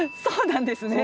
そうなんです。